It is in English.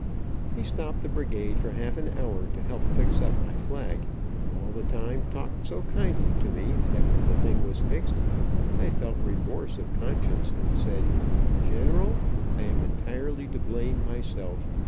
He stopped the brigade for half an hour, to help fix up my flag, and all the time talked so kindly to me, that when the thing was fixed, I felt remorse of conscience, and said: "General, I am entirely to blame myself.